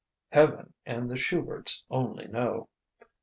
"Heaven and the Shuberts only know.